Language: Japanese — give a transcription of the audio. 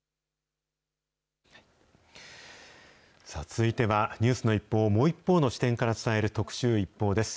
続いては、ニュースの一報をもう一方の視点から伝える特集、ＩＰＰＯＵです。